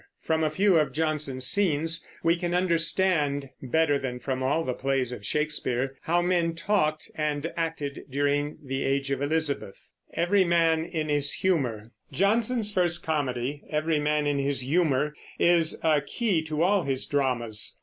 From a few of Jonson's scenes we can understand better than from all the plays of Shakespeare how men talked and acted during the Age of Elizabeth. Jonson's first comedy, Every Man in His Humour, is a key to all his dramas.